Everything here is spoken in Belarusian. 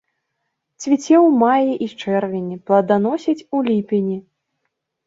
Цвіце ў маі і чэрвені, плоданасіць у ліпені.